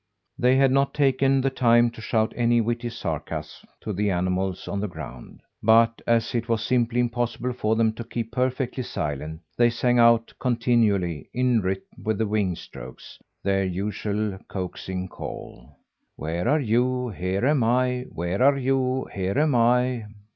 They had not taken the time to shout any witty sarcasms to the animals on the ground; but, as it was simply impossible for them to keep perfectly silent, they sang out continually in rhythm with the wing strokes their usual coaxing call: "Where are you? Here am I. Where are you? Here am I."